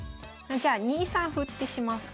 じゃあ２三歩ってします